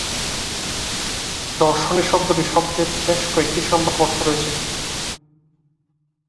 দর্শনে, শব্দটি শব্দের বেশ কয়েকটি সম্ভাব্য অর্থ রয়েছে।